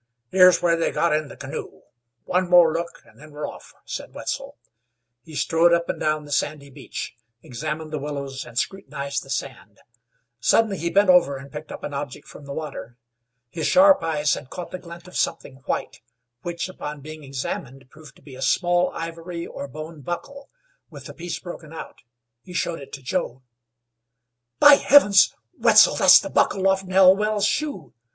"Here's where they got in the canoe. One more look, an' then we're off," said Wetzel. He strode up and down the sandy beach; examined the willows, and scrutinized the sand. Suddenly he bent over and picked up an object from the water. His sharp eyes had caught the glint of something white, which, upon being examined, proved to be a small ivory or bone buckle with a piece broken out. He showed it to Joe. "By heavens! Wetzel, that's a buckle off Nell Well's shoe.